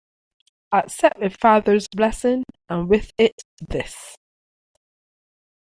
Accept a father's blessing, and with it, this.